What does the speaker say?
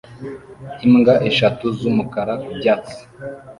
Imbwa eshatu z'umukara ku byatsi